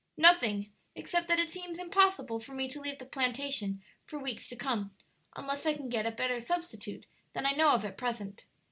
"Nothing, except that it seems impossible for me to leave the plantation for weeks to come, unless I can get a better substitute than I know of at present."